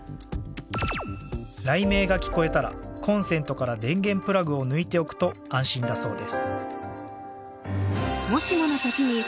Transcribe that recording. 雷鳴が聞こえたらコンセントから電源プラグを抜いておくと安心だそうです。